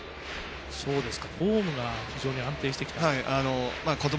フォームが非常に安定してきたと。